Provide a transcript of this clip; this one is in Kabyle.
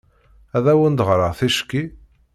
Ad awen-d-ɣreɣ ticki?